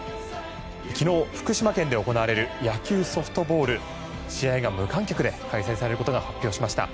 昨日、福島県で行われる野球・ソフトボールの試合が無観客で開催されることが発表されました。